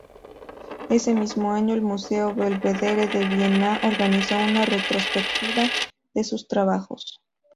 Ese mismo año el museo Belvedere de Viena organizó una retrospectiva de sus trabajos.